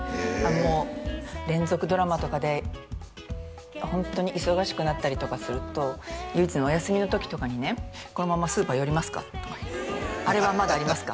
もう連続ドラマとかでホントに忙しくなったりとかすると唯一のお休みの時とかにね「このままスーパー寄りますか？」とか「あれはまだありますか？」